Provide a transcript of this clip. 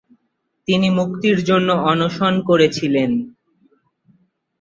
তিনি মুক্তির জন্যে অনশন করেছিলেন।